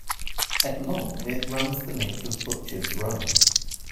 At long, it runs the length of Butchers' Row.